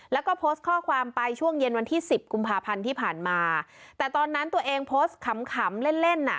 แล้วก็โพสต์ข้อความไปช่วงเย็นวันที่สิบกุมภาพันธ์ที่ผ่านมาแต่ตอนนั้นตัวเองโพสต์ขำขำเล่นเล่นอ่ะ